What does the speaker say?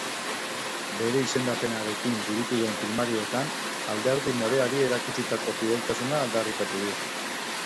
Bere izendapenarekin burutu den primarioetan, alderdi moreari erakutsitako fideltasuna aldarrikatu du.